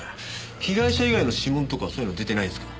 被害者以外の指紋とかそういうの出てないですか？